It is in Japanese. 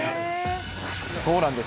そうなんです。